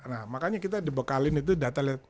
nah makanya kita dibekalin itu data